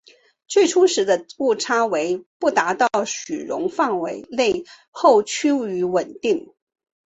最初时的误差为不达到许容范围内后趋于稳定。